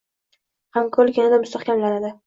Hamkorlik yanada mustahkamlanadi